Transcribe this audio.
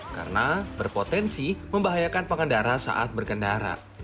karena berpotensi membahayakan pengendara saat berkendara